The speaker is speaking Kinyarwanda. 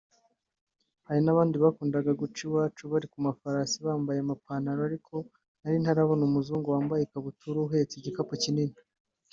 hari abandi bakundaga guca iwacu bari kumafarasi bambaye amapantaro ariko nari ntarabona umuzungu wambaye ikabutura ahetse igikapu kinini